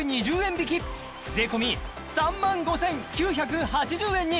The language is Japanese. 引き税込３５９８０円に！